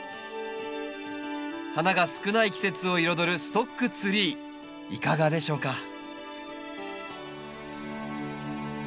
花が少ない季節を彩るストックツリーいかがでしょうか？